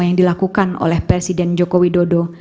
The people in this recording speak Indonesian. yang dilakukan oleh presiden joko widodo